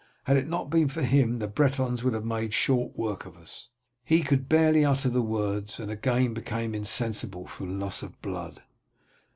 Had it not been for him the Bretons would have made short work of us." He could barely utter the words, and again became insensible from loss of blood.